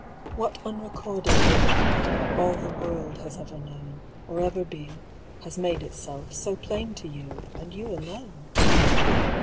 "What unrecorded overthrow Of all the world has ever known, Or ever been, has made itself So plain to you, and you alone?